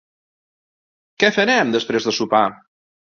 Què farem després de sopar?